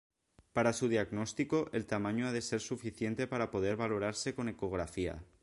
Para su diagnóstico, el tamaño ha de ser suficiente para poder valorarse con ecografía.